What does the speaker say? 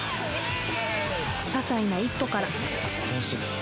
ささいな一歩から